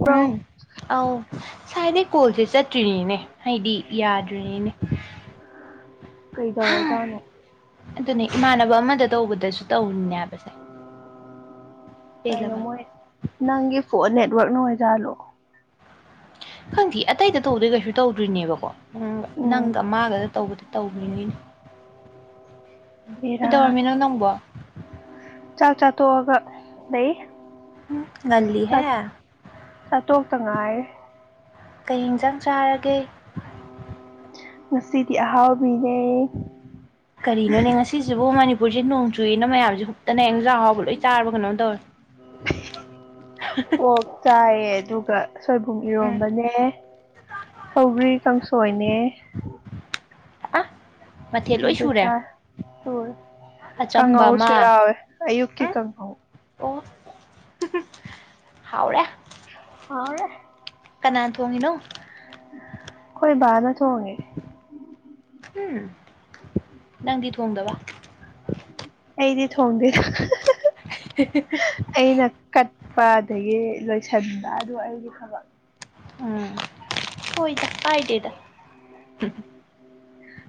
pro ꯑꯧ ꯁꯥꯏꯗꯩ ꯀꯣꯜꯁꯦ ꯆꯠꯇ꯭ꯔꯤꯅꯤꯅꯦ ꯍꯥꯏꯗꯤ ꯌꯥꯗ꯭ꯔꯤꯅꯤꯅꯦ ꯀꯩꯗꯧꯔ ꯖꯥꯠꯅꯣ ꯑꯗꯨꯅꯦ ꯏꯃꯥꯟꯅꯕ ꯑꯃꯗ ꯇꯧꯕꯗꯁꯨ ꯇꯧꯅꯦ ꯍꯥꯏꯕꯁꯦ ꯀꯩꯅꯣ ꯄꯦꯜꯂꯕꯅꯦ ꯃꯣꯏ ꯅꯪꯒꯤ ꯐꯣꯟ ꯅꯦꯠꯋꯥꯛ ꯅ ꯑꯣꯏꯔꯖꯥꯠꯂꯣ ꯈꯪꯗꯤ ꯑꯇꯩꯗ ꯇꯧꯕꯗꯤ ꯀꯩꯁꯨ ꯇꯧꯗ꯭ꯔꯤꯅꯦꯕꯀꯣ ꯎꯝ ꯅꯪꯒ ꯃꯥꯒꯗ ꯇꯧꯕꯗ ꯇꯧꯒꯔꯤꯅꯤꯅꯦ ꯕꯦꯔꯥꯅꯤ ꯀꯩꯗꯧꯔꯝꯃꯤꯅꯣ ꯅꯪꯕꯨ ꯇꯣꯑꯒ ꯂꯩꯩ ꯎ ꯉꯜꯂꯤ ꯍꯦ ꯇꯉꯥꯏ ꯀꯩ ꯌꯦꯡꯖꯥꯡ ꯆꯥꯔꯒꯦ ꯉꯁꯤꯗꯤ ꯑꯍꯥꯎꯕꯤꯅꯦ ꯀꯔꯤꯅꯣꯅꯦ ꯉꯁꯤꯁꯤꯕꯨ ꯃꯅꯤ ꯑꯍꯥꯎꯕ ꯂꯣꯏ ꯆꯥꯔꯕ ꯀꯩꯅꯣꯝ ꯇꯧꯔꯦ [inaudible] ꯑꯣꯛ ꯆꯥꯏꯌꯦ ꯑꯗꯨ ꯒ ꯁꯣꯏꯕꯨꯝ ꯎꯝ ꯏꯔꯣꯝꯕꯅꯦ ꯁꯧꯒ꯭ꯔꯤ ꯀꯥꯡꯁꯣꯏꯅꯦ ꯑꯥ ꯑꯗꯨ ꯆꯥꯏ ꯆꯨꯔꯦ ꯑꯆꯝꯕ ꯑꯃ ꯀꯪꯉꯧꯁꯨ ꯌꯥꯎꯋꯦ ꯑꯌꯨꯛꯀꯤ ꯎꯝ ꯀꯪꯍꯧ ꯑꯣ ꯍꯥꯎꯔꯦ ꯍꯥꯎꯌꯦ ꯀꯅꯥ ꯊꯣꯡꯉꯤꯅꯣ ꯈꯣꯏ ꯕꯥꯅ ꯊꯣꯡꯉꯦ ꯎꯝ ꯅꯪꯗꯤ ꯊꯣꯡꯗꯕ ꯑꯩꯗꯤ ꯊꯣꯡꯗꯦ [unintelligible] ꯄ ꯑꯗꯒꯤ ꯂꯣꯏꯁꯟꯕ ꯑꯗꯨ ꯑꯩꯒꯤ ꯊꯕꯛ ꯎꯝ ꯍꯣꯏꯗ ꯀꯥꯏꯗꯦꯗ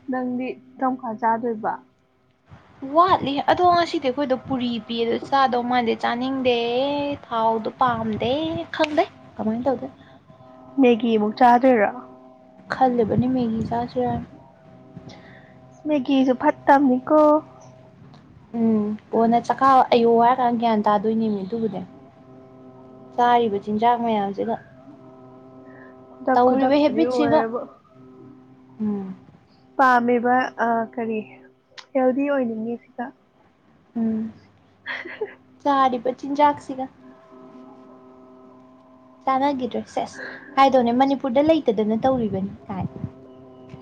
ꯅꯪꯗꯤ ꯀꯝꯀꯥꯟ ꯆꯥꯗꯨꯏꯕ ꯋꯥꯠꯂꯤ ꯑꯗꯣ ꯉꯁꯤꯗꯤ ꯑꯈꯣꯏꯗꯣ ꯄꯨꯔꯤ ꯄꯤ ꯑꯗꯣ ꯆꯥꯗꯧ ꯃꯥꯥꯟꯗꯦ ꯆꯥꯅꯤꯡꯗꯦ ꯊꯥꯎꯗꯣ ꯄꯥꯝꯗꯦ ꯢ ꯈꯪꯗ ꯀꯃꯥꯏꯟ ꯇꯧꯗ ꯃꯦꯒꯤ ꯑꯃꯨꯛ ꯆꯥꯗꯣꯏꯔꯣ ꯈꯜꯂꯤꯕꯅꯤ ꯃꯦꯒꯤ ꯆꯥꯁꯤꯔꯥꯅ ꯃꯦꯒꯤꯁꯨ ꯐꯠꯇꯝꯅꯤꯀꯣ ꯎꯝ ꯀꯣꯟꯅ ꯆꯛꯈꯥꯎ ꯑꯌꯣ ꯍꯥꯏꯔ ꯀꯥꯟ ꯒ꯭ꯌꯥꯟ ꯇꯥꯗꯣꯏꯅꯦꯃꯤ ꯑꯗꯨꯕꯨꯗꯤ ꯆꯥꯔꯤꯕ ꯆꯤꯟꯖꯥꯛ ꯃꯌꯥꯝꯁꯤꯒ ꯈꯨꯗꯛ ꯇꯧꯔꯤꯕ ꯈꯨꯗꯛꯇꯗꯤ ꯍꯦꯕꯤꯠꯁꯤꯒ ꯑꯣꯏꯔꯦꯕꯣ ꯎꯝ ꯄꯥꯝꯃꯦ ꯕ ꯑꯥ ꯀꯔꯤ ꯍꯦꯜꯗꯤ ꯑꯣꯏꯅꯤꯡꯉꯤꯁꯤꯗ ꯎꯝ ꯆꯥꯔꯤꯕ ꯆꯤꯟꯖꯥꯛꯁꯤꯒ ꯆꯥꯅꯒꯤ ꯇ꯭ꯔꯦ ꯁꯦꯁ ꯍꯥꯢꯗꯧꯅꯦ ꯃꯅꯤꯄꯨꯔꯗ ꯂꯩꯇꯗꯅ ꯇꯧꯔꯤꯕꯅꯤ ꯀꯥꯏ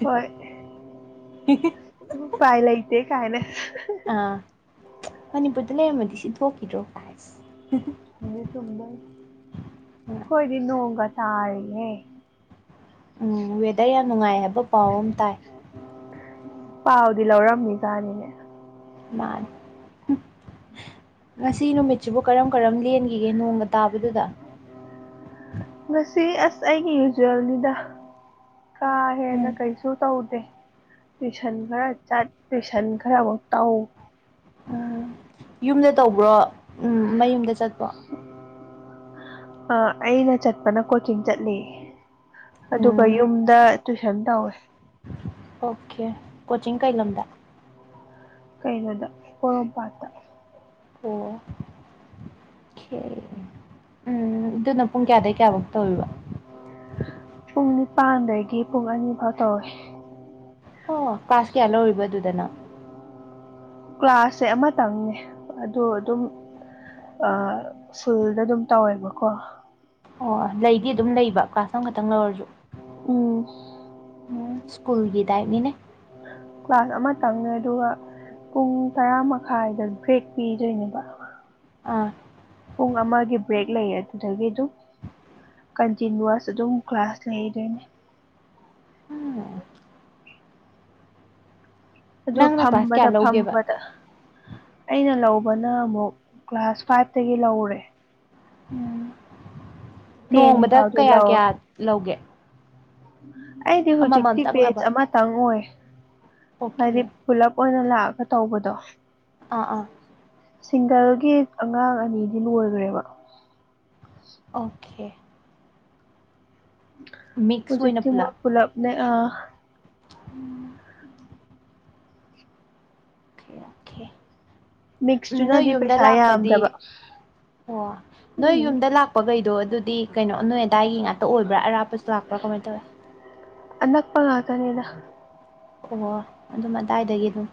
ꯍꯣꯏ ꯎꯄꯥꯏ ꯂꯩꯇꯦ ꯀꯥꯏꯅ ꯑꯥ ꯃꯅꯤꯄꯨꯔꯗ ꯂꯩꯔꯝꯃꯗꯤ ꯁꯤ ꯊꯣꯛꯈꯤꯗ꯭ꯔꯣ ꯀꯥꯢꯁ [unintelligible] ꯈꯣꯏꯗꯤ ꯅꯣꯡꯒ ꯇꯥꯔꯤꯌꯦ ꯎꯝ ꯋꯦꯗꯔ ꯌꯥꯝ ꯅꯨꯡꯉꯥꯏ ꯍꯥꯏꯕ ꯄꯥꯎ ꯑꯝ ꯇꯥꯏ ꯄꯥꯎꯗꯤ ꯂꯧꯔꯝꯃꯤꯖꯥꯅꯤꯅꯦ ꯃꯥꯟꯅꯤ ꯉꯁꯤ ꯅꯨꯃꯤꯠ ꯁꯤꯕꯨ ꯀꯔꯝ ꯀꯔꯝ ꯂꯦꯟꯒꯤꯒꯦ ꯅꯣꯡꯒ ꯇꯥꯕꯗꯨꯗ ꯉꯁꯤ ꯑꯁ ꯑꯩꯒꯤ ꯌꯨꯖ꯭ꯋꯦꯜꯅꯤꯗ ꯀꯥ ꯍꯦꯟꯅ ꯎꯝ ꯀꯩꯁꯨ ꯇꯧꯗꯦ ꯇꯨꯢꯁꯟ ꯈꯔ ꯆꯠ ꯇꯨꯢꯁꯟ ꯈꯔ ꯃꯨꯛ ꯇꯧ ꯎꯝ ꯌꯨꯝꯗ ꯇꯧꯕ꯭ꯔꯣ ꯎꯝ ꯃꯌꯨꯝꯗ ꯆꯠꯄ꯭ꯔꯣ [inaudible] ꯑ ꯑꯩꯅ ꯆꯠꯄꯅ ꯀꯣꯆꯤꯡ ꯆꯠꯂꯦ ꯑꯗꯨꯒ ꯎꯝ ꯌꯨꯝꯗ ꯇꯨꯏꯁꯟ ꯇꯧꯋꯦ ꯑꯣꯀꯦ ꯀꯣꯆꯤꯡ ꯀꯩ ꯂꯝꯗ ꯀꯩꯅꯣꯗ ꯄꯣꯔꯣꯝꯄꯥꯠꯇ ꯑꯣ ꯀꯦ ꯎꯝ ꯑꯗꯨꯅ ꯄꯨꯡ ꯀꯌꯥꯗꯩ ꯀꯌꯥꯕꯨꯛ ꯇꯧꯢꯕ ꯄꯨꯡ ꯅꯤꯄꯥꯟꯗꯒꯤ ꯄꯨꯡ ꯑꯅꯤ ꯐꯥꯎ ꯇꯧꯋꯦ ꯑꯣ ꯀ꯭ꯂꯥꯁ ꯀꯌꯥ ꯂꯧꯔꯤꯕ ꯑꯗꯨꯗꯅ ꯀ꯭ꯂꯥꯁꯁꯦ ꯑꯃꯇꯪꯅꯦ ꯑꯗꯣ ꯑꯗꯨꯝ ꯑ ꯁ꯭ꯀꯨꯜꯗ ꯑꯗꯨꯝ ꯇꯧꯋꯦꯕꯀꯣ ꯑꯣ ꯂꯩꯗꯤ ꯑꯗꯨꯝ ꯂꯩꯕ ꯀ꯭ꯂꯥꯁ ꯑꯃꯈꯛꯇꯪ ꯂꯧꯔꯁꯨ ꯎꯝ ꯎꯝ ꯁ꯭ꯀꯨꯜꯒꯤ ꯇꯥꯏꯞꯅꯤꯅꯦ ꯀ꯭ꯂꯥꯁ ꯑꯃ ꯇꯪꯅꯦ ꯑꯗꯨꯒ ꯄꯨꯡ ꯇꯔꯥ ꯃꯈꯥꯏꯗ ꯕ꯭ꯔꯦꯛ ꯄꯤꯗꯣꯏꯅꯦꯕ ꯑꯥ ꯄꯨꯡ ꯑꯃꯒꯤ ꯕ꯭ꯔꯦꯛ ꯂꯩꯌꯦ ꯑꯗꯨꯗꯒꯤ ꯑꯗꯨꯝ ꯀꯟꯇꯤꯅꯨꯋꯥꯁ ꯑꯗꯨꯝ ꯀ꯭ꯂꯥꯁ ꯂꯩꯗꯣꯏꯅꯤ ꯍꯝ ꯑꯗꯨ ꯅꯪꯅ ꯀ꯭ꯂꯥꯁ ꯐꯝꯕꯗ ꯀꯌꯥ ꯂꯧꯒꯦꯕ ꯐꯝꯕꯗ ꯑꯩꯅ ꯂꯧ ꯕꯅ ꯑꯃꯨꯛ ꯀ꯭ꯂꯥꯁ ꯐꯥꯏꯚꯇꯒꯤ ꯂꯧꯔꯦ ꯎꯝ ꯇꯦꯟ ꯅꯣꯡꯃꯗ ꯐꯥꯎꯗꯤ ꯀꯌꯥ ꯂꯧꯔꯦ ꯀꯌꯥ ꯂꯧꯒꯦ ꯑꯩꯗꯤ ꯍꯧꯖꯤꯛꯇꯤ ꯑꯃꯃꯝꯇꯪꯂꯕ ꯕꯦꯖ ꯑꯃꯇꯪ ꯑꯣꯢ ꯑꯣꯀꯦ ꯍꯥꯏꯗꯤ ꯄꯨꯂꯞ ꯑꯣꯏꯅ ꯂꯥꯛꯑꯒ ꯇꯧꯕꯗꯣ ꯑꯥ ꯑꯥ ꯁꯤꯡꯒꯜꯒꯤ ꯑꯉꯥꯡ ꯑꯅꯤꯗꯤ ꯂꯣꯏꯈ꯭ꯔꯦꯕ ꯑꯣꯀꯦ ꯃꯤꯛꯁ ꯑꯣꯏꯅ ꯍꯧꯖꯤꯛꯇꯤ ꯃꯣꯏ ꯄꯨꯂꯞꯅꯦ ꯑ ꯎꯝ ꯑꯣꯀꯦ ꯑꯣꯀꯦ ꯎꯝ ꯅꯣꯏ ꯃꯤꯛꯁꯇꯨꯅꯗꯤ ꯌꯨꯝꯗ ꯄꯩꯁꯥ ꯂꯥꯛꯄꯗꯤ ꯌꯥꯝꯗꯕ ꯑꯣ ꯅꯣꯏ ꯎꯝ ꯌꯨꯝꯗ ꯂꯥꯛꯄꯈꯩꯗꯣ ꯑꯗꯨꯗꯤ ꯀꯩꯅꯣ ꯅꯣꯏ ꯑꯗꯥꯏꯒꯤ ꯉꯥꯛꯇ ꯑꯣꯏꯕ꯭ꯔꯥ ꯑꯔꯥꯞꯄꯁꯨ ꯂꯥꯛ ꯄ꯭ꯔ ꯀꯃꯥꯏ ꯇꯧꯋꯦ ꯑꯅꯛꯄ ꯉꯥꯛꯇꯅꯤꯗ ꯑꯣ ꯑꯗꯨꯝ ꯑꯗꯥꯏꯗꯒꯤ ꯑꯗꯨꯝ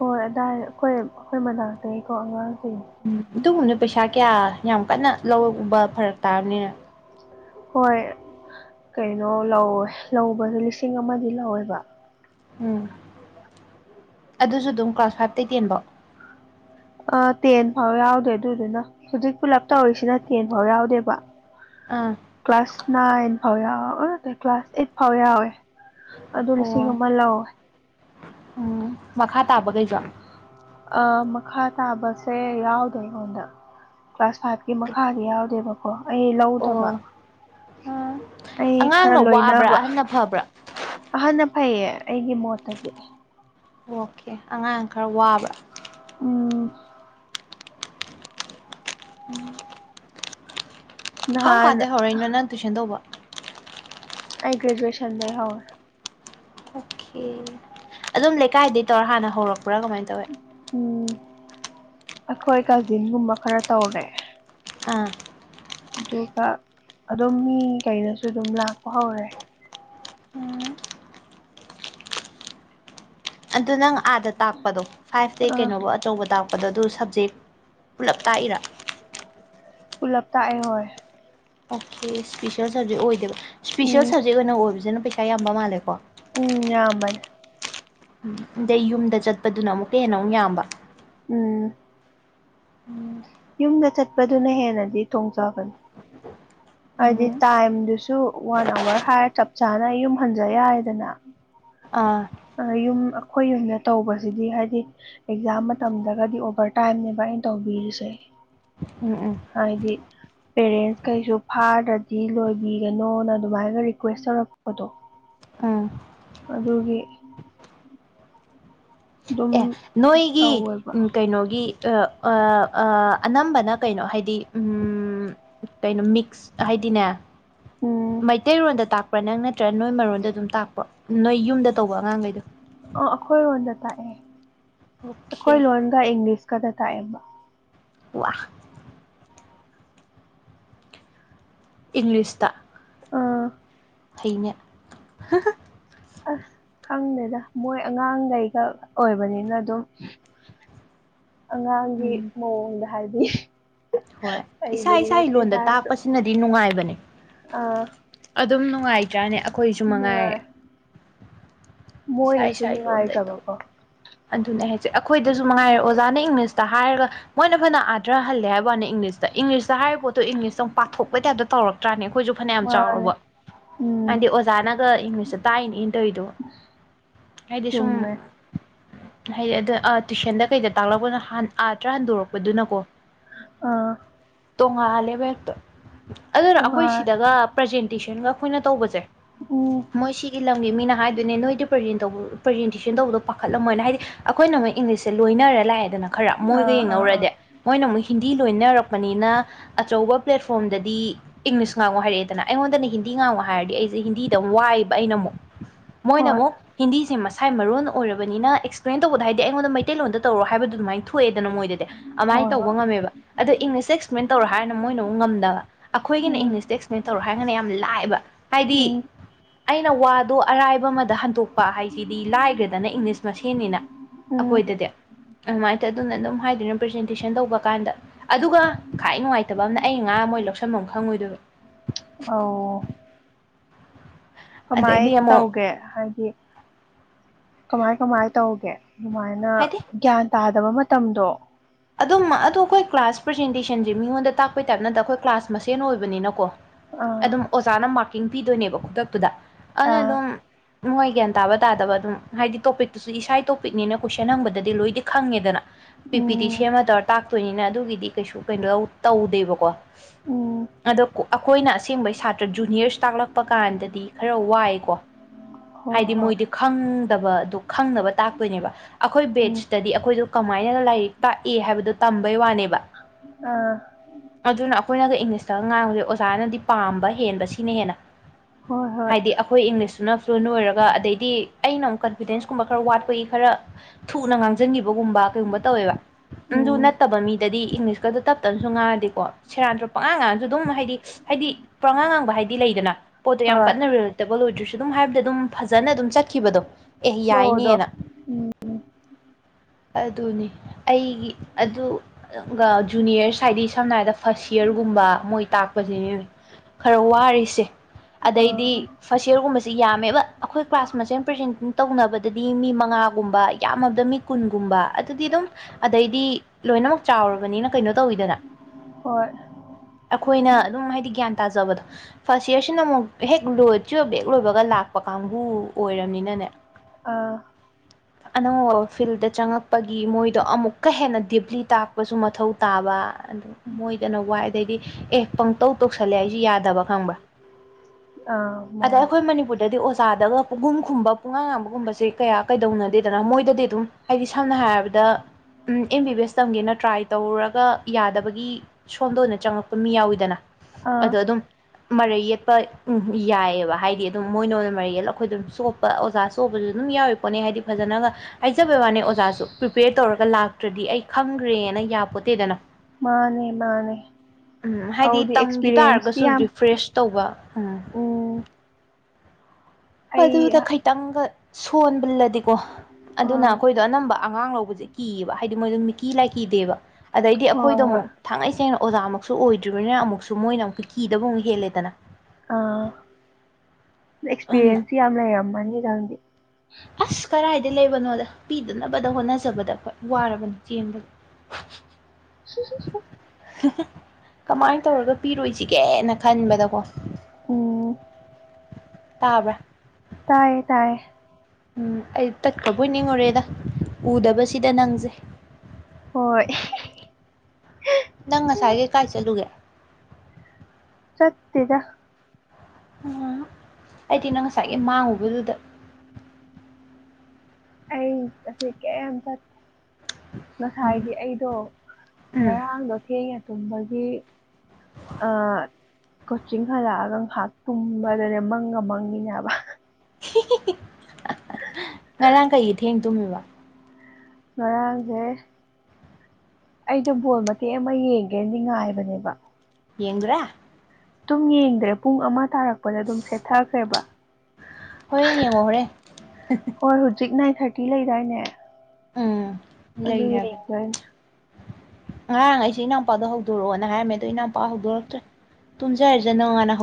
ꯍꯣꯏ ꯑꯗꯥꯏ ꯑꯩꯈꯣꯏ ꯑꯩꯈꯣꯏ ꯃꯅꯥꯛꯇꯒꯤꯀꯣ ꯑꯉꯥꯡꯁꯤꯡ ꯎꯝ ꯑꯗꯨꯒꯨꯝꯕꯗꯤ ꯄꯩꯁꯥ ꯀꯌꯥ ꯌꯥꯝ ꯀꯟꯅ ꯂꯧꯕ ꯐꯔꯛ ꯇꯥꯔꯝꯅꯤꯅ ꯍꯣꯏ ꯀꯩꯅꯣ ꯂꯧꯋꯦ ꯂꯧꯕꯁꯦ ꯂꯤꯁꯤꯡ ꯑꯃꯗꯤ ꯂꯧꯋꯦꯕ ꯎꯝ ꯑꯗꯨꯁꯨ ꯑꯗꯨꯝ ꯀ꯭ꯂꯥꯁ ꯐꯥꯏꯚꯇꯩ ꯇꯦꯟꯕꯧ ꯑ ꯇꯦꯟ ꯐꯥꯎ ꯌꯥꯎꯗꯦ ꯑꯗꯨꯗꯨꯅ ꯍꯧꯖꯤꯛ ꯄꯨꯂꯞ ꯇꯧꯔꯤꯁꯤꯅ ꯇꯦꯟ ꯐꯥꯎ ꯌꯥꯎꯗꯦꯕ ꯑꯥ ꯀ꯭ꯂꯥꯁ ꯅꯥꯏꯟ ꯐꯥꯎ ꯌꯥꯎꯋꯦ ꯅꯠꯇ ꯀ꯭ꯂꯥꯁ ꯑꯩꯠ ꯐꯥꯎ ꯌꯥꯎꯋꯦ ꯑꯗꯨ ꯂꯤꯁꯤꯡ ꯑꯣ ꯑꯃ ꯂꯧꯋꯦ ꯎꯝ ꯃꯈꯥ ꯇꯥꯕꯈꯩꯖꯨ ꯃꯈꯥ ꯇꯥꯕꯁꯦ ꯌꯥꯎꯗꯦ ꯑꯩꯉꯣꯟꯗ ꯀ꯭ꯂꯥꯁ ꯐꯥꯏꯚꯀꯤ ꯃꯈꯥꯗꯤ ꯌꯥꯎꯗꯦꯕꯀꯣ ꯑꯩ ꯂꯧꯗꯕ ꯑꯣ ꯑꯩ ꯈꯔ ꯑꯉꯥꯡꯅ ꯋꯥꯕ꯭ꯔꯥ ꯂꯣꯏꯅꯕ ꯑꯍꯟꯅ ꯐꯕ꯭ꯔꯥ ꯑꯍꯟꯅ ꯐꯩꯌꯦ ꯑꯩꯒꯤ ꯃꯣꯠꯇꯗꯤ ꯑꯣꯀꯦ ꯑꯉꯥꯡ ꯈꯔ ꯋꯥꯕ ꯎꯝ ꯎꯝ ꯀꯝ ꯅꯍꯥꯟ ꯀꯥꯟꯗꯩ ꯍꯧꯔꯛꯏꯅꯣ ꯅꯪ ꯇꯨꯏꯁꯟ ꯇꯧꯕ ꯑꯩ ꯒ꯭ꯔꯦꯖꯨꯌꯦꯁꯟ ꯗꯩ ꯍꯧꯔꯦ ꯈꯦ ꯑꯗꯨꯝ ꯂꯩꯀꯥꯏꯗꯒꯩ ꯇꯧꯔ ꯍꯥꯟꯅ ꯍꯧꯔꯛꯄ꯭ꯔꯥ ꯀꯃꯥꯏ ꯇꯧꯋꯦ ꯎꯝ ꯑꯩꯈꯣꯏ ꯀꯥꯖꯤꯟꯒꯨꯝꯕ ꯈꯔ ꯇꯧꯔꯦ ꯑꯥ ꯑꯗꯨꯒ ꯑꯗꯨꯝ ꯃꯤ ꯀꯩꯅꯁꯨ ꯑꯗꯨꯝ ꯂꯥꯛꯄ ꯍꯧꯔꯦ ꯎꯝ ꯑꯗꯨ ꯅꯪ ꯑꯥꯗ ꯇꯥꯛꯄꯗꯣ ꯐꯥꯏꯚꯇꯩ ꯑꯥ ꯀꯩꯅꯣꯕꯥꯎ ꯑꯆꯧꯕ ꯇꯥꯛꯄ ꯑꯗꯣ ꯑꯗꯨ ꯁꯞꯖꯦꯛ ꯄꯨꯂꯞ ꯇꯥꯛꯏꯔ ꯎꯂꯞ ꯇꯥꯛ ꯑꯦ ꯍꯣꯏ ꯑꯣꯀꯦ ꯏꯁꯄꯤꯁꯦꯜ ꯁꯕꯖꯦꯛ ꯑꯣꯏꯗꯕ ꯏꯁꯄꯤꯁꯦꯜ ꯎꯝ ꯁꯕꯖꯦꯛ ꯑꯣꯏꯅ ꯑꯣꯏꯕꯁꯤꯅ ꯄꯩꯁꯥ ꯌꯥꯝꯕ ꯃꯥꯜꯂꯦꯀꯣ ꯎꯝ ꯌꯥꯝꯕꯅꯦ ꯑꯗꯩ ꯌꯨꯝꯗ ꯆꯠꯄꯗꯨꯅ ꯑꯃꯨꯛꯀ ꯍꯦꯟꯅ ꯑꯃꯨꯛ ꯌꯥꯝꯕ ꯎꯝ ꯎꯝ ꯌꯨꯝꯗ ꯆꯠꯄꯗꯨꯅ ꯍꯦꯟꯅꯗꯤ ꯇꯣꯡꯖꯕꯅꯦ [inaudible] ꯍꯥꯏꯗꯤ ꯇꯥꯏꯝꯗꯨꯁꯨ ꯋꯥꯟ ꯑꯋꯥꯔ ꯍꯥꯏꯔ ꯆꯞ ꯆꯥꯅ ꯌꯨꯝ ꯍꯟꯖ ꯌꯥꯏꯗꯅ ꯑꯥ ꯌꯨꯝ ꯑꯩꯈꯣꯏ ꯌꯨꯝꯗ ꯇꯧꯕꯁꯤꯗꯤ ꯍꯥꯏꯗꯤ ꯑꯦꯛꯖꯥꯝ ꯃꯇꯝꯗꯒꯗꯤ ꯑꯣꯚꯔ ꯇꯥꯏꯝꯅꯦꯕ ꯑꯩꯅ ꯇꯧꯕꯤꯔꯤꯁꯦ ꯎꯝ ꯎ ꯍꯥꯏꯗꯤ ꯄꯦꯔꯦꯟꯁ ꯈꯩꯁꯨ ꯐꯥꯗ꯭ꯔꯗꯤ ꯂꯣꯏꯕꯤꯔꯅꯣꯅ ꯑꯗꯨꯃꯥꯏꯒ ꯔꯤꯀ꯭ꯋꯦꯁ ꯇꯧꯔꯛꯄꯗꯣ ꯎꯝ ꯑꯗꯨꯒꯤ ꯑꯦ ꯑꯗꯨꯝ ꯅꯣꯏꯒꯤ ꯇꯧꯋꯦꯕ ꯎꯝ ꯀꯩꯅꯣꯒꯤ ꯑ ꯑ ꯑ ꯑꯅꯝꯕꯅ ꯀꯩꯅꯣ ꯍꯥꯏꯗꯤ ꯎꯝ ꯎꯝ ꯀꯩꯅꯣ ꯃꯤꯛꯁ ꯍꯥꯏꯗꯤꯅꯦ ꯎꯝ ꯃꯩꯇꯩꯔꯣꯟꯗ ꯇꯥꯛ ꯄ꯭ꯔꯥ ꯅꯪ ꯅꯠꯇ꯭ꯔꯒ ꯅꯣꯏ ꯃꯔꯣꯟꯗ ꯑꯗꯨꯝ ꯇꯥꯛꯄ꯭ꯔ ꯅꯣꯏ ꯌꯨꯝꯗ ꯇꯧꯕ ꯑꯉꯥꯡꯈꯩꯗꯣ ꯑ ꯑꯩꯈꯣꯏꯔꯣꯟꯗ ꯇꯥꯛꯑꯦ ꯎ ꯈꯦ ꯑꯩꯈꯣꯏ ꯂꯣꯟꯒ ꯏꯪꯂꯤꯁꯀꯗ ꯇꯥꯑꯦꯕ ꯋꯥ ꯏꯪꯂꯤꯁꯇ ꯑꯥ ꯐꯩꯅꯦ ꯍꯍꯥ ꯑꯁ ꯈꯪꯗꯦꯗ ꯃꯣꯏ ꯑꯉꯥꯡꯈꯩꯒ ꯑꯣꯏꯕꯅꯤꯅ ꯑꯗꯨꯝ ꯑꯉꯥꯡꯒꯤ ꯎꯝ ꯃꯑꯣꯡꯗ ꯍꯥꯏꯕꯤ ꯍꯣꯏ ꯏꯁꯥ ꯍꯩꯕꯗꯤ ꯏꯁꯥꯒꯤ ꯅꯠꯇꯦ ꯂꯣꯟꯗ ꯇꯥꯔꯁꯨ ꯇꯥꯛꯄꯁꯤꯅꯗꯤ ꯅꯨꯡꯉꯥꯏꯕꯅꯦ ꯑꯥ ꯑꯗꯨꯝ ꯅꯨꯡꯉꯥꯏꯇ꯭ꯔꯥꯅꯦ ꯑꯩꯈꯣꯏꯁꯨ ꯃꯉꯥꯏꯔꯦ ꯅꯨꯡꯉꯥꯏ ꯏꯁꯥꯏ ꯃꯣꯏꯅꯁꯨ ꯁꯥꯏ ꯂꯣꯟꯗꯩ ꯇꯧ ꯅꯨꯡꯉꯥꯏꯇꯕꯀꯣ ꯑꯗꯨꯅꯦ ꯑꯩ ꯍꯥꯏꯁꯦ ꯑꯩꯈꯣꯏꯗꯖꯨ ꯃꯉꯥꯏꯔꯦ ꯑꯣꯖꯥꯅ ꯏꯪꯂꯤꯁꯇ ꯍꯥꯏꯔꯒ ꯃꯣꯏꯅ ꯐꯖꯅ ꯑꯥꯊ꯭ꯔꯍꯜꯂꯦ ꯍꯥꯏꯕ ꯋꯥꯅꯤ ꯏꯪꯂꯤꯁꯇ ꯏꯪꯂꯤꯁꯇ ꯍꯥꯏꯔꯤꯕ ꯄꯣꯠꯇꯣ ꯏꯪꯂꯤꯁꯇ ꯃꯨꯛ ꯄꯥꯊꯣꯛꯄꯩ ꯇꯥꯏꯞꯇ ꯇꯧꯔꯛꯇ꯭ꯔꯥꯅꯦ ꯑꯩꯈꯣꯏꯁꯨ ꯐꯅꯌꯥꯝ ꯃꯥꯅꯦ ꯆꯥꯎꯔꯕꯥꯎ ꯎꯝ ꯍꯥꯏꯗꯤ ꯑꯣꯖꯥꯅꯒ ꯏꯪꯂꯤꯁꯇ ꯇꯥꯛꯏꯅꯦ ꯏꯟꯇꯧꯋꯤꯗꯣ ꯑꯩꯗꯤ ꯁꯨꯝ ꯆꯨꯝꯃꯦ ꯍꯥꯏꯗꯤ ꯑꯗꯣ ꯑ ꯇꯨꯏꯁꯟꯗ ꯀꯩꯗ ꯇꯥꯛꯂꯛꯄꯗꯨꯅ ꯍꯥꯟ ꯑꯥꯔꯊꯥ ꯍꯟꯗꯣꯔꯛꯄꯗꯨꯅꯀꯣ ꯑ ꯇꯣꯉꯥꯜꯂꯦꯕ ꯍꯦꯛꯇ ꯑꯗꯨꯅ ꯑꯩꯈꯣꯏ ꯇꯣꯉꯥꯟ ꯁꯤꯗꯒ ꯄ꯭ꯔꯖꯦꯟꯇꯦꯁꯟꯒ ꯑꯩꯈꯣꯏꯅ ꯇꯧꯕꯖꯦ ꯎꯝ ꯃꯣꯏ ꯁꯤꯒꯤ ꯂꯝꯒꯤ ꯃꯤꯅ ꯍꯥꯏꯗꯣꯏꯅꯦ ꯅꯣꯏꯗꯤ ꯄ꯭ꯔꯖꯦꯟ ꯄ꯭ꯔꯖꯦꯟꯇꯦꯁꯟ ꯇꯧꯕꯗꯣ ꯄꯥꯈꯠꯂꯝꯣꯏꯅ ꯍꯥꯏꯗꯤ ꯑꯩꯈꯣꯏꯅꯃꯨꯛ ꯏꯪꯂꯤꯁꯦ ꯂꯣꯏꯅꯔ ꯂꯥꯛꯑꯦꯅ ꯈꯔ ꯃꯣꯏꯒ ꯑꯥ ꯑꯥ ꯑꯥ ꯌꯦꯡꯅꯧꯔꯗꯤ ꯃꯣꯏꯅ ꯑꯃꯨꯛ ꯍꯤꯟꯗꯤ ꯂꯣꯏꯅꯔꯛꯄꯅꯤ ꯅ ꯑꯆꯧꯕ ꯄ꯭ꯂꯦꯠꯐꯣꯔꯝꯗꯗꯤ ꯏꯪꯂꯤꯁ ꯉꯥꯡꯉꯣ ꯍꯥꯏꯔꯛꯑꯦꯗꯅ ꯑꯩꯉꯣꯟꯗꯅ ꯍꯤꯟꯗꯤ ꯉꯥꯡꯉꯣ ꯍꯥꯏꯔꯗꯤ ꯑꯩꯁꯦ ꯍꯤꯟꯗꯤꯗ ꯑꯃꯨꯛ ꯋꯥꯏꯕ ꯑꯩꯅ ꯑꯃꯨꯛ ꯃꯣꯏꯅ ꯍꯣꯏ ꯑꯃꯨꯛ ꯍꯤꯟꯗꯤꯁꯦ ꯃꯁꯥꯏ ꯃꯔꯣꯟ ꯑꯣꯏꯔꯕꯅꯤꯅ ꯑꯦꯛꯁꯄ꯭ꯂꯦꯟ ꯇꯧꯕꯗ ꯍꯥꯏꯗꯤ ꯑꯩꯉꯣꯟꯗ ꯃꯩꯇꯩꯂꯣꯟꯗ ꯇꯧꯔꯣ ꯍꯥꯏꯕꯗꯨꯃꯥꯏꯅ ꯊꯣꯛꯑꯦ ꯑꯦꯗꯅ ꯃꯣꯏꯗꯗꯤ ꯑꯃꯥꯏ ꯍꯣꯏ ꯍꯣꯏ ꯇꯧꯕ ꯉꯝꯃꯦꯕ ꯑꯗꯣ ꯏꯪꯂꯤꯁꯇ ꯑꯦꯛꯄ꯭ꯂꯦꯟ ꯇꯧꯔꯛꯑꯣ ꯍꯥꯏꯔꯒꯅ ꯃꯣꯏꯅ ꯑꯃꯨꯛ ꯉꯝꯗꯕ ꯑꯈꯣꯏꯒꯤꯅ ꯎꯝ ꯏꯪꯂꯤꯁꯇ ꯑꯦꯛꯁꯄ꯭ꯂꯦꯟ ꯇꯧꯔꯣ ꯍꯥꯏꯔꯒꯅ ꯌꯥꯝ ꯂꯥꯏ ꯕ ꯍꯥꯏꯗꯤ ꯎꯝ ꯑꯩꯅ ꯋꯥꯗꯣ ꯑꯔꯥꯏꯕ ꯑꯃꯗ ꯍꯟꯗꯣꯛ ꯕ ꯍꯥꯏꯁꯤꯗꯤ ꯂꯥꯏꯗꯦꯗꯅ ꯏꯪꯂꯤꯁ ꯃꯁꯦꯟꯅꯤꯅ ꯎꯝ ꯑꯩꯈꯣꯏꯗꯗꯤ ꯑꯗꯨꯃꯥꯏ ꯇꯧꯋꯦ ꯑꯗꯨꯅ ꯑꯗꯨꯝ ꯍꯥꯏꯗꯣꯏꯅꯦ ꯄ꯭ꯔꯖꯦꯟꯇꯦꯁꯟ ꯇꯧꯕ ꯀꯥꯟꯗ ꯑꯗꯨꯒ ꯈꯥꯏ ꯅꯨꯡꯉꯥꯏꯇꯕ ꯑꯝꯅ ꯑꯩ ꯉꯔꯥꯡ ꯃꯣꯏ ꯂꯧꯁꯟꯕꯝ ꯈꯪꯉꯣꯏꯗꯨꯕ ꯑꯧ ꯀꯃꯥꯏ ꯑꯗꯩꯗꯤ ꯑꯃꯨꯛ ꯇꯧꯒꯦ ꯍꯥꯏꯗꯤ ꯀꯃꯥꯏ ꯀꯃꯥꯏ ꯇꯧꯒꯦ ꯑꯗꯨꯃꯥꯏꯅ ꯍꯥꯏꯗꯤ ꯒ꯭ꯌꯥꯟ ꯇꯥꯗꯕ ꯃꯇꯝꯗꯣ ꯑꯗꯨꯝ ꯑꯗꯣ ꯑꯩꯈꯣꯏ ꯀ꯭ꯂꯥꯁ ꯄ꯭ꯔꯖꯦꯟꯇꯦꯁꯟꯖꯦ ꯃꯤꯉꯣꯟꯗ ꯇꯥꯛꯄꯩ ꯇꯥꯏꯞ ꯅꯠꯇꯕ ꯑꯩꯈꯣꯏ ꯀ꯭ꯂꯥꯁ ꯃꯁꯦꯟ ꯑꯣꯏꯕꯅꯤꯅꯀꯣ ꯑꯥ ꯑꯗꯨꯝ ꯑꯣꯖꯥꯅ ꯃꯥꯔꯀꯤꯡ ꯄꯤꯗꯨꯏꯅꯦꯕ ꯈꯨꯗꯛꯇꯨꯗ ꯑꯗꯨꯅ ꯑꯥ ꯑꯗꯨꯝ ꯃꯣꯏ ꯒ꯭ꯌꯥꯟ ꯇꯥꯕ ꯇꯥꯗꯕ ꯑꯗꯨꯝ ꯍꯥꯏꯗꯤ ꯇꯣꯄꯤꯛꯇꯨꯁꯨ ꯏꯁꯥꯏ ꯇꯣꯄꯤꯛꯅꯤꯅ ꯀꯣꯏꯁꯟ ꯍꯪꯕꯗꯗꯤ ꯂꯣꯏꯗꯤ ꯈꯪꯉꯦꯗꯅ ꯄꯤꯗꯤ ꯎꯝ ꯁꯦꯝꯃ ꯇꯧꯔ ꯇꯥꯛꯇꯣꯏꯅꯤꯅ ꯑꯗꯨꯒꯤꯗꯤ ꯀꯩꯁꯨ ꯀꯩꯅꯣ ꯇꯧꯗꯦꯕꯀꯣ ꯎꯝ ꯑꯗꯣ ꯑꯩꯈꯣꯏꯅ ꯑꯁꯦꯡꯕꯩ ꯁꯥꯇ꯭ꯔ ꯖꯨꯅꯤꯌꯔꯁ ꯇꯥꯛꯂꯛꯄ ꯀꯥꯟꯗꯗꯤ ꯈꯔ ꯋꯥꯏꯀꯣ ꯍꯣꯏ ꯍꯥꯏꯗꯤ ꯍꯣꯏ ꯃꯣꯏꯗꯤ ꯈꯪꯗꯕ ꯑꯗꯨ ꯈꯪꯅꯕ ꯇꯥꯛꯇꯨꯏꯅꯦꯕ ꯑꯩꯈꯣꯏ ꯎꯝ ꯕꯦꯠꯁꯇꯗꯤ ꯑꯩꯈꯣꯏꯗꯣ ꯀꯃꯥꯏꯅ ꯂꯥꯏꯔꯤꯛ ꯇꯥꯛꯏ ꯍꯥꯏꯕꯗꯣ ꯇꯝ ꯕꯩ ꯋꯥꯅꯦꯕ ꯑꯥ ꯑꯗꯨꯅ ꯑꯩꯈꯣꯏꯅꯒ ꯏꯪꯂꯤꯁ ꯏꯪꯂꯤꯁꯇꯒ ꯉꯥꯡꯕꯖꯦ ꯑꯣꯖꯥꯅꯗꯤ ꯄꯥꯝꯕ ꯍꯦꯟꯕ ꯁꯤꯅ ꯍꯦꯟꯅ ꯍꯣꯏ ꯍꯣꯏ ꯍꯥꯏꯗꯤ ꯑꯩꯈꯣꯏ ꯏꯪꯂꯤꯁ [unintelligible] ꯑꯣꯏꯔꯒ ꯑꯗꯩꯗꯤ ꯑꯩꯅ ꯑꯃꯨꯛ ꯀꯟꯐꯤꯗꯦꯟꯁꯀꯨꯝꯕ ꯈꯔ ꯋꯥꯠꯄꯒꯤ ꯈꯔ ꯊꯨꯅ ꯉꯥꯡꯖꯟꯒꯤꯕꯒꯨꯝ ꯀꯨꯝꯕ ꯀꯩꯒꯨꯝꯕ ꯇꯧꯋꯦꯕ ꯑꯗꯨ ꯎꯝ ꯅꯠꯇꯕ ꯃꯤꯗꯗꯤ ꯏꯪꯂꯤꯁꯀꯖꯦ ꯇꯞꯇꯞꯅ ꯁꯨꯝ ꯉꯥꯡꯉꯗꯤꯀꯣ ꯁꯦꯔꯥꯟ ꯇꯨ ꯄꯉꯥꯡ ꯉꯥꯡꯥꯡꯁꯨ ꯑꯗꯨꯝ ꯍꯥꯏꯗꯤ ꯍꯥꯏꯗꯤ ꯄꯉꯥ ꯉꯥꯡꯕ ꯍꯥꯏꯗꯤ ꯂꯩꯗꯅ ꯄꯣꯠꯇꯣ ꯌꯥꯝ ꯍꯣꯏ ꯀꯟꯅ ꯔꯤꯂꯦꯇꯦꯕꯜ ꯑꯣꯏꯗ꯭ꯔꯤꯁꯨ ꯑꯗꯨꯝ ꯍꯥꯏꯕꯗ ꯑꯗꯨꯝ ꯐꯖꯅ ꯑꯗꯨꯝ ꯆꯠꯈꯤꯕꯗꯣ ꯑꯦ ꯐ꯭ꯂꯣꯗꯣ ꯌꯥꯏꯅꯦꯅ ꯑꯗꯨꯅꯤ ꯑꯩꯒꯤ ꯑꯗꯨꯒ ꯖꯨꯅꯤꯌꯔꯁ ꯍꯥꯏꯗꯤ ꯁꯝꯅ ꯍꯥꯏꯗ ꯐꯥꯔꯁ ꯏꯌꯔꯒꯨꯝꯕ ꯃꯣꯏ ꯇꯥꯛꯄꯖꯤꯅꯦ ꯈꯔ ꯋꯥꯔꯤꯁꯦ ꯑꯗꯩꯗꯤ ꯑꯥ ꯐꯥꯔꯁ ꯌꯔꯒꯨꯝꯕꯁꯦ ꯌꯥꯝꯃꯦꯕ ꯑꯩꯈꯣꯏ ꯀ꯭ꯂꯥꯁ ꯃꯁꯦꯜ ꯄ꯭ꯔꯖꯦꯟꯇꯦꯁꯟ ꯇꯧꯅꯕ ꯕꯗꯤ ꯃꯤ ꯃꯉꯥꯒꯨꯝꯕ ꯌꯥꯝꯃꯕꯗ ꯃꯤ ꯀꯨꯟꯒꯨꯝꯕ ꯑꯗꯨꯗꯤ ꯑꯗꯨꯝ ꯑꯗꯩꯗꯤ ꯂꯣꯏꯅꯃꯛ ꯆꯥꯎꯔꯕꯅꯤꯅ ꯀꯩꯅꯣ ꯇꯧꯋꯤꯗꯅ ꯍꯣꯏ ꯑꯩꯈꯣꯏꯅ ꯑꯗꯨꯝ ꯍꯥꯏꯗꯤ ꯒ꯭ꯌꯥꯟ ꯇꯥꯖꯕꯗꯣ ꯐꯥꯔ ꯏꯌꯔꯁꯤꯅ ꯑꯃꯨꯛ ꯍꯦꯛ ꯂꯣꯏ ꯇꯨꯋꯦꯂ꯭ꯐꯕ ꯍꯦꯛ ꯂꯣꯏꯕꯒ ꯂꯥꯛꯄ ꯀꯥꯡꯕꯨ ꯑꯣꯏꯔꯝꯅꯤ ꯏꯅꯅꯦ ꯑꯥ ꯑꯅꯧ [unintelligible] ꯐꯤꯜꯗ ꯆꯪꯉꯛꯄꯒꯤ ꯃꯣꯏꯗꯣ ꯑꯃꯨꯛꯀ ꯍꯦꯟꯅ ꯗꯤꯞꯂꯤ ꯇꯥꯛꯄꯁꯨ ꯃꯊꯧ ꯇꯥꯕ ꯑꯗꯨ ꯃꯣꯏꯗꯅ ꯋꯥꯏ ꯑꯗꯩꯗꯤ ꯑꯦ ꯄꯪꯇꯧ ꯇꯧꯁꯜꯂꯦ ꯍꯥꯏꯖꯨ ꯌꯥꯗꯕ ꯈꯪꯕ꯭ꯔ ꯑꯥ ꯑꯗꯩ ꯃꯥꯅꯦ ꯑꯩꯈꯣꯏ ꯃꯅꯤꯄꯨꯔꯗꯗꯤ ꯑꯣꯖꯥꯗꯒ ꯄꯒꯨꯝꯈꯨꯝꯕ ꯄꯨꯡꯉꯥꯡ ꯉꯥꯡꯕꯒꯨꯝꯕꯁꯦ ꯀꯌꯥ ꯀꯩꯗꯧꯅꯗꯦꯗꯅ ꯃꯣꯏꯗꯗꯤ ꯑꯗꯨꯝ ꯍꯥꯏꯗꯤ ꯁꯝꯅ ꯍꯥꯏꯔꯕꯗ ꯎꯝ ꯑꯦꯝ ꯕꯤ ꯕꯤ ꯑꯦꯁ ꯇꯝꯒꯦꯅ ꯇ꯭ꯔꯥꯏ ꯇꯧꯔꯨꯔꯒ ꯌꯥꯗꯕꯒꯤ ꯁꯣꯝꯗ ꯑꯣꯏꯅ ꯆꯪꯉꯛꯄ ꯃꯤ ꯌꯥꯎꯋꯤꯗꯅ ꯑꯥ ꯑꯗ ꯑꯗꯨꯝ ꯃꯔꯩ ꯌꯦꯠꯄ ꯎꯝ ꯌꯥꯏꯑꯕ ꯍꯥꯏꯗꯤ ꯑꯗꯨꯝ ꯃꯣꯏꯅ ꯑꯣꯏꯅ ꯃꯔꯩ ꯌꯦꯠꯂ ꯑꯩꯈꯣꯏ ꯑꯗꯨꯝ ꯆꯣꯞꯄ ꯑꯣꯖꯥ ꯆꯣꯞꯄ ꯑꯗꯨꯝ ꯌꯥꯎꯔꯤ ꯄꯣꯠꯅꯤ ꯍꯥꯏ ꯐꯖꯅꯒ ꯍꯥꯏ ꯄꯤꯖꯕꯩ ꯋꯥꯅꯤ ꯑꯣꯖꯥꯁꯨ ꯄ꯭ꯔꯤꯄꯦꯌꯔ ꯇꯧꯔꯒ ꯂꯥꯛꯇ꯭ꯔꯗꯤ ꯑꯩ ꯈꯪꯒ꯭ꯔꯦꯅ ꯌꯥꯄꯣꯠꯇꯦꯗꯅ ꯃꯥꯅꯦ ꯃꯥꯅꯦ ꯎꯝ ꯍꯥꯏꯗꯤ ꯑꯧꯗꯤ ꯇꯝꯒꯤ ꯑꯦꯛꯁꯄꯤꯔꯤꯌꯦꯟꯁꯇꯤ ꯇꯥꯔꯒꯁꯨ ꯌꯥꯝ ꯔꯤꯐ꯭ꯔꯦꯁ ꯇꯧꯕ ꯎꯝ ꯑꯩ ꯑꯗꯨꯗ ꯈꯩꯇꯪꯒ ꯐꯣꯟ ꯕꯨꯜꯂꯗꯤꯀꯣ ꯑꯥ ꯑꯗꯨꯅ ꯍꯣꯏ ꯑꯈꯣꯏꯗꯣ ꯑꯅꯝꯕ ꯑꯉꯥꯡ ꯂꯧꯕꯖꯦ ꯀꯤꯌꯦꯕ ꯍꯥꯏꯗꯤ ꯃꯣꯏꯗꯣ ꯃꯤꯀꯤ ꯂꯥꯏ ꯀꯤꯗꯦꯕ ꯑꯗꯩꯗꯤ ꯑꯈꯣꯏꯗꯣ ꯍꯣꯏ ꯑꯃꯨꯛ ꯊꯥꯡꯉꯩ ꯁꯦꯡꯅ ꯑꯣꯖꯥꯃꯨꯛꯁꯨ ꯑꯣꯏꯗ꯭ꯔꯤꯕꯅꯤꯅ ꯑꯃꯨꯛꯁꯨ ꯃꯣꯏꯅ ꯑꯃꯨꯛꯀ ꯀꯤꯗꯕ ꯑꯃꯨꯛ ꯍꯦꯜꯂꯦꯗꯅ ꯑ ꯑꯦꯛꯁꯄꯤꯔꯤꯌꯦꯟꯁꯇꯤ ꯌꯥꯝ ꯂꯩꯔꯝꯃꯅꯤ ꯅꯪꯗꯤ ꯀꯔꯥꯏꯗꯩ ꯂꯩꯕꯅꯣꯗ ꯄꯤꯗꯅꯕꯗ ꯍꯣꯠꯅꯖꯕꯗ ꯑꯈꯣꯏ ꯋꯥꯔꯕꯅꯤ ꯆꯦꯟꯕꯗ [unintelligible] ꯀꯝꯃꯥꯏ‌ ꯇꯧꯔꯒ ꯄꯤꯔꯣꯏꯖꯤꯒꯦꯅ ꯈꯟꯕꯗꯀꯣ ꯎꯝ ꯇꯥꯕ꯭ꯔ ꯇꯥꯏꯌꯦ ꯇꯥꯏꯌꯦ ꯎꯝ ꯑꯩ ꯇꯠꯈ꯭ꯔꯕꯣꯏ ꯅꯤꯡꯉꯨꯔꯦꯗ ꯎꯗꯕꯁꯤꯗ ꯅꯪꯁꯦ ꯍꯣꯏ ꯅꯪ ꯉꯁꯥꯏꯒꯩ ꯀꯥꯏ ꯆꯠꯂꯨꯒꯦ ꯆꯠꯇꯦꯗ [unintelligible] ꯑꯩꯗꯤ ꯅꯪ ꯉꯁꯥꯏꯒꯩ ꯃꯥꯡꯉꯨꯕꯗꯨꯗ ꯑꯩ ꯉꯁꯤ ꯀꯩꯝ ꯆꯠꯇꯦ ꯎꯝ ꯉꯁꯥꯏꯗꯤ ꯑꯩꯗꯣ ꯎꯝ ꯉꯔꯥꯡꯗꯣ ꯊꯦꯡꯅ ꯇꯨꯝꯕꯒꯤ ꯑ ꯀꯣꯆꯤꯡ ꯍꯜꯂꯛꯑꯒ ꯉꯍꯥꯛ ꯇꯨꯝꯕꯗꯅꯦ ꯃꯪꯒ ꯃꯪꯉꯤꯅꯦ ꯍꯥꯏꯕ [unintelligible] ꯉꯔꯥꯡ ꯀꯩꯒꯤ ꯊꯦꯡ ꯇꯨꯝꯃꯤꯕ ꯉꯔꯥꯡꯖꯦ ꯑꯩꯗꯣ ꯕꯣꯜ ꯃꯇꯦꯛ ꯑꯃ ꯌꯦꯡꯒꯦꯅꯗꯤ ꯉꯥꯏꯕꯅꯦꯕ ꯌꯦꯡꯗ꯭ꯔꯦ ꯗꯨꯝ ꯌꯦꯡꯗ꯭ꯔꯦ ꯄꯨꯡ ꯑꯃ ꯇꯥꯔꯛꯄꯗ ꯑꯗꯨꯝ ꯁꯦꯠꯊꯈ꯭ꯔꯦꯕ ꯍꯣꯔꯦꯟ ꯌꯦꯡꯉꯣ ꯍꯣꯔꯦꯟ ꯍꯣꯏ ꯍꯧꯖꯤꯛ ꯅꯥꯏꯟ ꯊꯥꯔꯇꯤ ꯂꯩꯗꯥꯏꯅꯦ ꯎꯝ ꯑꯗꯨ ꯂꯩ ꯍꯥꯏꯕꯅꯤ ꯌꯦꯡꯗꯣꯏꯅꯦ ꯉꯔꯥꯡ ꯑꯩꯁꯦ ꯏꯅꯥꯎꯄꯥꯗꯣ ꯍꯧꯗꯣꯔꯑꯣꯅ ꯍꯥꯏꯔꯝꯃꯦ ꯑꯗꯣ ꯏꯅꯥꯎꯄꯥ ꯍꯧꯗꯣꯔꯛꯇ꯭ꯔꯦ ꯇꯨꯝꯖꯔꯖꯅꫭꯅ ꯍꯧ